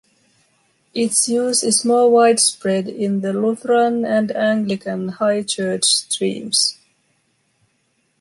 Its use is more widespread in the Lutheran and Anglican High Church streams.